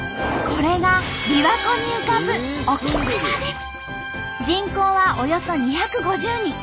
これがびわ湖に浮かぶ人口はおよそ２５０人。